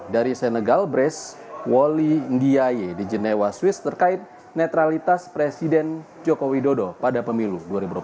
dari senegal brace woli ndiaye di genewa swiss terkait netralitas presiden joko widodo pada pemilu dua ribu dua puluh empat